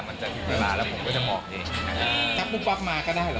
มันถึงเวลาแล้วผมก็จะบอกเอง